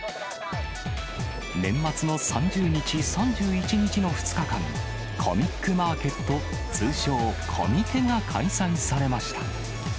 年末の３０日、３１日の２日間、コミックマーケット、通称、コミケが開催されました。